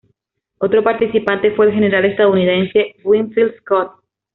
Otro participante fue el general estadounidense Winfield Scott.